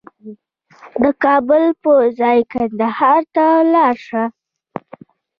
د کابل په ځای کندهار ته لاړ شه